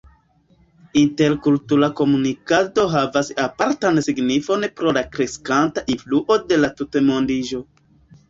Interkultura komunikado havas apartan signifon pro la kreskanta influo de la tutmondiĝo.